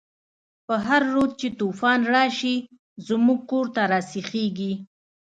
په هر رود چی توفان راشی، زمونږ کور ته راسیخیږی